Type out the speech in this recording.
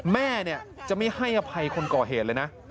แม่จะไม่ให้อภัยคนก่อเหตุเลยนะ